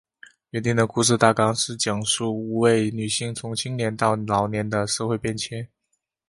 原定的故事大纲是讲述五位女性从年青到老年的社会变迁。